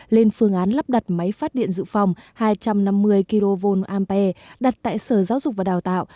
lên phương án lắp đặt máy phát điện dự phòng hai trăm năm mươi kv ampe đặt tại sở giáo dục và đào tạo